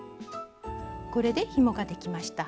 これでひもができました。